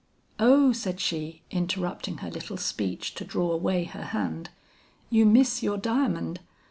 "'O,' said she, interrupting her little speech to draw away her hand, 'you miss your diamond?